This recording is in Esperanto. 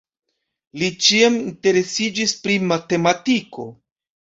Li ĉiam interesiĝis pri matematiko.